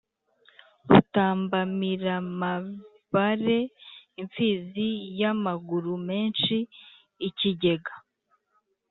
Rutambamiramabare imfizi y'amaguru menshi-Ikigega.